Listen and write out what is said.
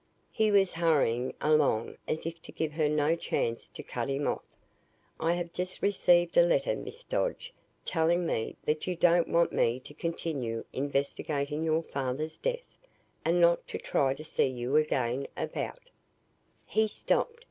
He was hurrying along as if to give her no chance to cut him off. "I have just received a letter, Miss Dodge, telling me that you don't want me to continue investigating your father's death, and not to try to see you again about " He stopped.